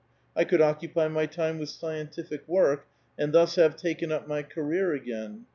I <iould occupy my time with scientific work, and thus have "•i^^ken up my career again.